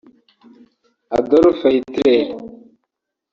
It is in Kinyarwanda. Adolphe Hitler